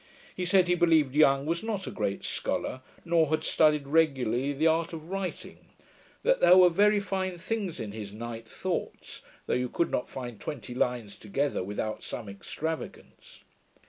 He said, he believed Young was not a great scholar, nor had studied regularly the art of writing; that there were very fine things in his Night Thoughts, though you could not find twenty lines together without some extravagance.